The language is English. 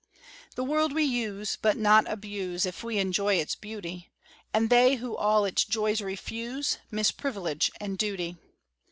The world we use, but not abuse, If we enjoy its beauty; And they who all its joys refuse Miss privilege and duty.